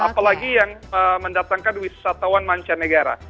apalagi yang mendatangkan wisatawan mancanegara